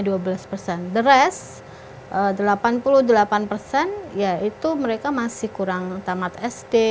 the rest delapan puluh delapan ya itu mereka masih kurang tamat sd sd smp sma